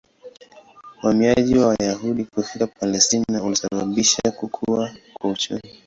Uhamiaji wa Wayahudi kufika Palestina ulisababisha kukua kwa uchumi.